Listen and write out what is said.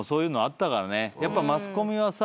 やっぱマスコミはさ。